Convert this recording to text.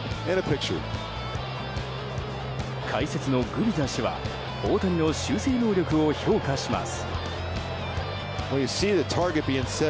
解説のグビザ氏は大谷の修正能力を評価します。